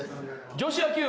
女子野球部？